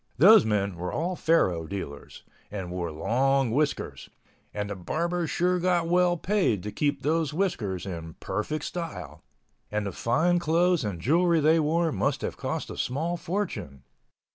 Those men were all faro dealers—and wore long whiskers ... and the barbers sure got well paid to keep those whiskers in perfect style—and the fine clothes and jewelry they wore must have cost a small fortune.